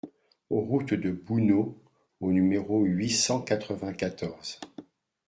Route de Bouneau au numéro huit cent quatre-vingt-quatorze